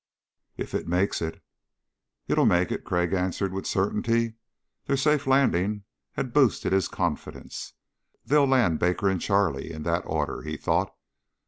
"If it makes it." "It'll make it," Crag answered with certainty. Their safe landing had boosted his confidence. They'd land Baker and Charlie, in that order, he thought.